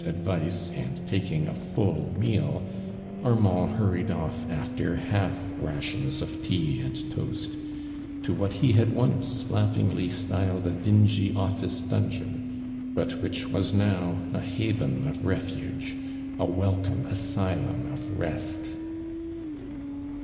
idvice and taking a full meal, Armand hurried ofl', after ncM rations of tea and toast, to what he had once laughingly styled a dingy office dungeon, but which was now a Jiavon of i efuge — a welcome asylum of rest.